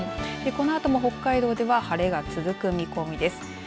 このあとも北海道では晴れが続く見込みです。